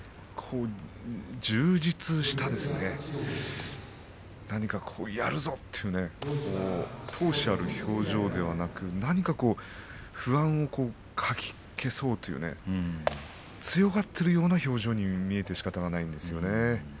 充実した、何かやるぞという闘志がある表情ではなく何か不安をかき消そうという強がっているような表情に見えてしかたがないんですね。